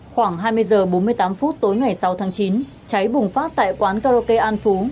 khoảng hai mươi h bốn mươi tám phút tối ngày sáu tháng chín cháy bùng phát tại quán karaoke an phú